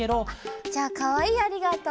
じゃあかわいい「ありがとう」